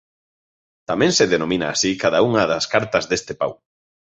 Tamén se denomina así cada unha das cartas deste pau.